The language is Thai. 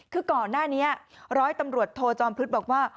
คือก่อนหน้านี้ร้อยตำรวจโทจอมพลึกบอกว่า